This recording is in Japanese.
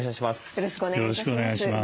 よろしくお願いします。